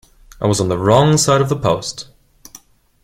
I was on the wrong side of the post.